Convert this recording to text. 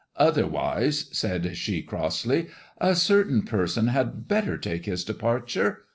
"Otherwise," said she crossly, "a certain person had better teke his departure.